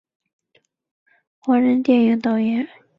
李德水是印尼荷属时期的闽南裔华人电影导演。